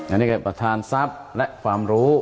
อันนี้คือประธานทรัพย์และความรู้